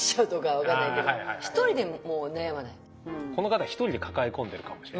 この方一人で抱え込んでるかもしれない。